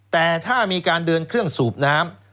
แต่ถ้ามีการเดินเครื่องสูบน้ำ